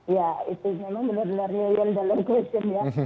ya itu benar benar million dollar question ya